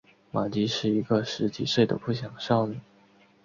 玛姬是一个十几岁的不良少女。